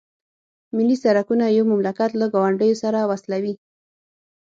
ملي سرکونه یو مملکت له ګاونډیو سره وصلوي